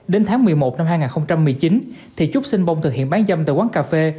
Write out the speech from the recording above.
đến tháng một mươi một năm hai nghìn một mươi chín thị trúc xin bông thực hiện bán giam tại quán cà phê